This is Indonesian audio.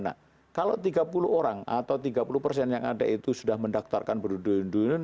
nah kalau tiga puluh orang atau tiga puluh persen yang ada itu sudah mendaftarkan berdudun